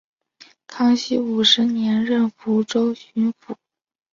康熙五十年任福建巡抚。